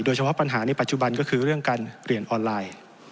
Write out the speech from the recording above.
เฉพาะปัญหาในปัจจุบันก็คือเรื่องการเรียนออนไลน์